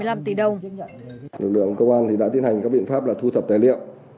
lực lượng công an đã tiến hành các biện pháp là thu thập tài liệu